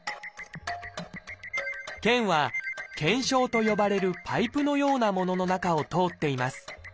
腱は「腱鞘」と呼ばれるパイプのようなものの中を通っています。